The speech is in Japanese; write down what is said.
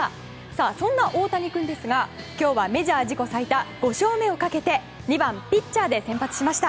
そんなオオタニくんですが今日はメジャー自己最多５勝目をかけて２番ピッチャーで先発しました。